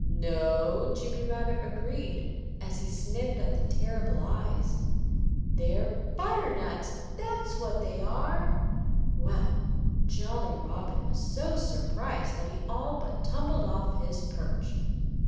"No!" Jimmy Rabbit agreed, as he sniffed at the terrible eyes. "They're butternuts that's what they are!" Well, Jolly Robin was so surprised that he all but tumbled off his perch.